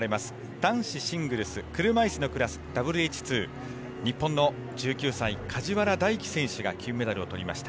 男子シングルス車いすのクラスＷＨ２、日本の１９歳梶原大暉選手が金メダルを取りました。